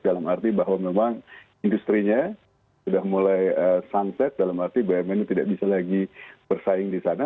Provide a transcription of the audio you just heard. dalam arti bahwa memang industri nya sudah mulai sunset dalam arti bumn tidak bisa lagi bersaing di sana